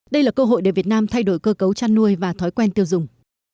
đây là cơ hội để việt nam thay đổi cơ cấu chăn nuôi và thói quen tiêu dùng